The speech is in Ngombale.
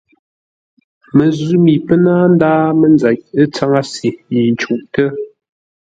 Məzʉ̂ mi pə́ náa ndáa mənzeʼ, ə̂ tsáŋə́se yi ncûʼtə́.